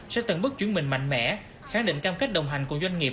sẽ tận bức chuyển mình mạnh mẽ kháng định cam cách đồng hành của doanh nghiệp